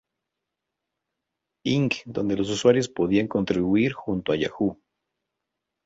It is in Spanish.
Inc., donde los usuarios podían contribuir junto a Yahoo!